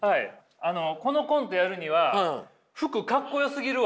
あのこのコントやるには服かっこよすぎるわ！